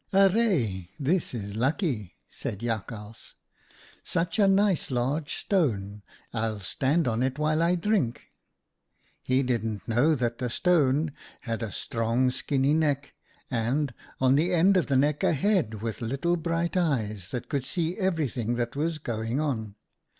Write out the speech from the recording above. "' Arre ! this is lucky,' said Jakhals. ' Such a nice large stone ! I'll stand on it while I drink.' "He didn't know that the stone had a strong skinny neck, and, on the end of the neck, a head with little bright eyes that could see everything that was going on.